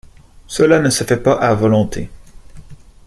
Cela ne se fait pas à volonté.